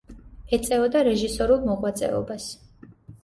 ეწეოდა რეჟისორულ მოღვაწეობას.